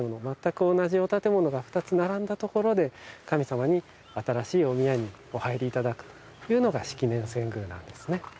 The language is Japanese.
まったく同じお建物が２つ並んだところで神様に新しいお宮にお入りいただくというのが式年遷宮なんですね。